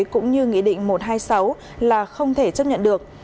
cũng như nghị định một trăm hai mươi sáu là không thể chấp nhận được